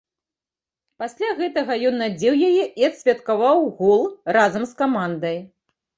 Пасля гэтага ён надзеў яе і адсвяткаваў гол разам з камандай.